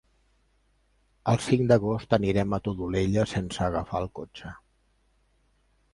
El cinc d'agost anirem a la Todolella sense agafar el cotxe.